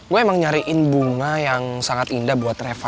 gue emang nyariin bunga yang sangat indah buat reva